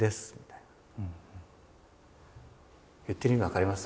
言ってる意味分かります？